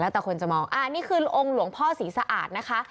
แต่คนจะมองอ่านี่คือองค์หลวงพ่อศรีสะอาดนะคะ